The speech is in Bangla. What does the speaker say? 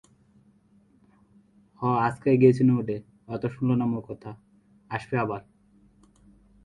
পঁচিশ বছর বয়সে তিনি লা-মো-ব্দে-ছেন বৌদ্ধবিহারের প্রধানের দায়িত্ব লাভ করেন।